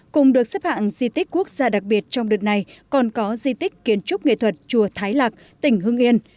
cùng được xếp hạng di tích quốc gia đặc biệt trong đợt này còn có di tích kiến trúc nghệ thuật chùa thái lạc tỉnh hưng yên